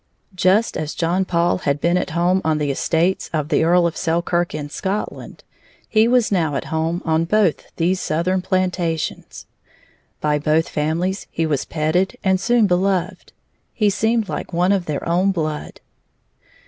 Just as John Paul had been at home on the estates of the Earl of Selkirk in Scotland, he was now at home on both these southern plantations. By both families he was petted and soon beloved. He seemed like one of their own blood.